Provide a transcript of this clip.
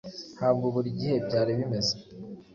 Ntabwo buri gihe byari bimeze